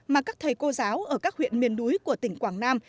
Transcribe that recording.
mà các thầy cô giáo ở các huyện miền núi của tỉnh quảng nam